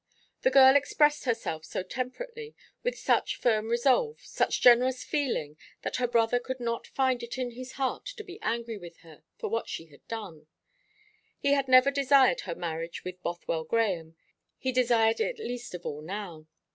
The girl expressed herself so temperately, with such firm resolve, such generous feeling, that her brother could not find it in his heart to be angry with her for what she had done. He had never desired her marriage with Bothwell Grahame; he desired it least of all now.